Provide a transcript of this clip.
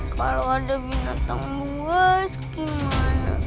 kalau ada binatang buas gimana